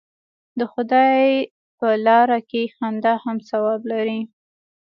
د خدای په لاره کې خندا هم ثواب لري.